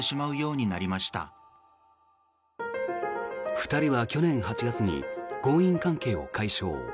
２人は去年８月に婚姻関係を解消。